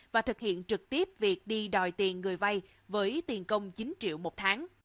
và thực hiện trực tiếp việc đi đòi tiền người vay với tiền công chín triệu một tháng